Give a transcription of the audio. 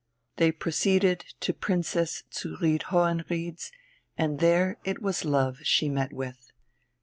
They proceeded to Princess zu Ried Hohenried's, and there it was love she met with.